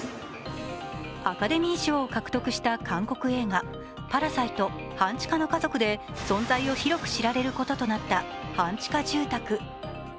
アカデミー賞を獲得した韓国映画「パラサイト半地下の家族」で存在を広く知られることとなった半地下住宅。